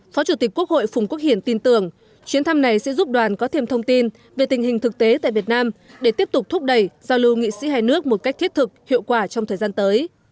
phó chủ tịch quốc hội phùng quốc hiển tin tưởng chuyến thăm này sẽ giúp đoàn có thêm thông tin về tình hình thực tế tại việt nam để tiếp tục thúc đẩy giao lưu nghị sĩ hai nước một cách thiết thực hiệu quả trong thời gian tới